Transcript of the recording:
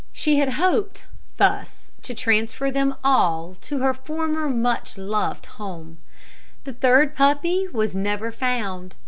She had hoped thus to transfer them all to her former much loved home. The third puppy was never found.